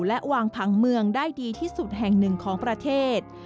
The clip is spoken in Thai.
และวางผังเมืองได้ดีที่สุดแห่งหนึ่งของประเทศ